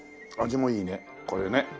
味もいいねこれね。